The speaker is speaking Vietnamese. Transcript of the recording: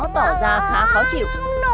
tỏ ra khá khó chịu